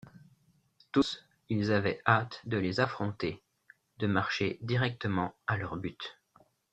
Tous, ils avaient hâte de les affronter, de marcher directement à leur but.